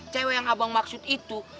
cewek yang abang maksud itu